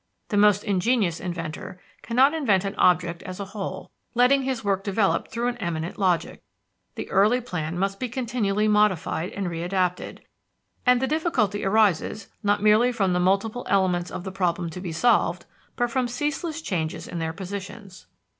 The most ingenious inventor cannot invent an object as a whole, letting his work develop through an immanent logic: the early plan must be continually modified and readapted; and the difficulty arises not merely from the multiple elements of the problem to be solved, but from ceaseless changes in their positions.